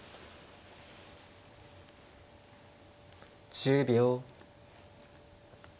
１０秒。